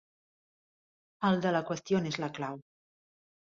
El de la qüestió n'és la clau.